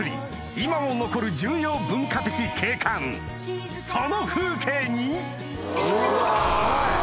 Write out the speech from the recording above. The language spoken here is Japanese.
今も残る重要文化的景観その風景にうわ。